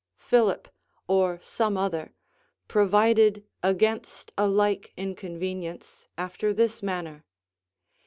Philip, or some other, provided against a like inconvenience after this manner.